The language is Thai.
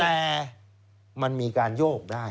แต่มันมีการโยกได้